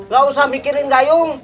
gak usah mikirin gayung